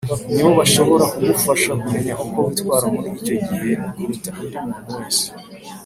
ni bo bashobora kugufasha kumenya uko witwara muri icyo gihe kuruta undi muntu wese